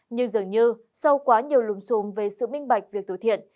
nhưng dường như sau quá nhiều lùng xùm về sự minh bạch việc tử thiện